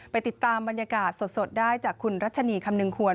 ติดตามบรรยากาศสดได้จากคุณรัชนีคำนึงควร